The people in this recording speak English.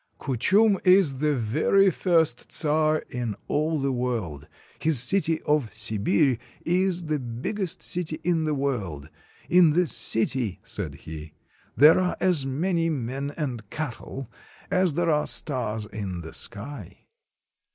"Kuchum is the very first czar in all the world. His city of Sibir is the biggest city in the world. In this city," said he, "there are as many men and cattle as there are stars in the sky.